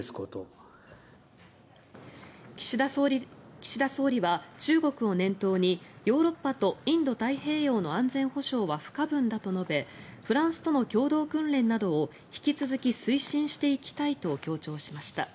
岸田総理は、中国を念頭にヨーロッパとインド太平洋の安全保障は不可分だと述べフランスとの共同訓練などを引き続き推進していきたいと強調しました。